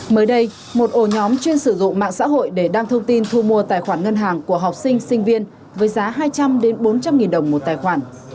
mới đây một ổ nhóm chuyên sử dụng mạng xã hội để đăng thông tin thu mua tài khoản ngân hàng của học sinh sinh viên với giá hai trăm linh bốn trăm linh nghìn đồng một tài khoản